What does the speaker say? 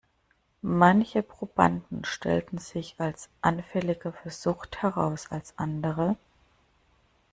Manche Probanden stellten sich als anfälliger für Sucht heraus als andere.